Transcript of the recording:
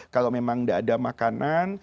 kalau memang tidak ada makanan